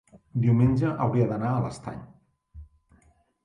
diumenge hauria d'anar a l'Estany.